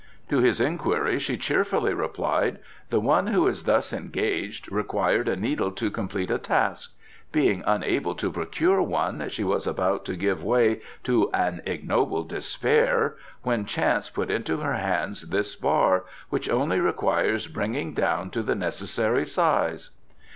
To his inquiry she cheerfully replied: 'The one who is thus engaged required a needle to complete a task. Being unable to procure one she was about to give way to an ignoble despair when chance put into her hands this bar, which only requires bringing down to the necessary size.